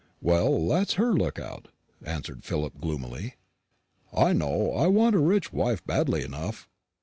"Well, that's her look out," answered Philip gloomily; "I know I want a rich wife badly enough.